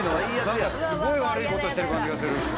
なんかすごい悪い事してる感じがする。